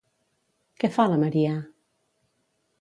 Què fa la Maria?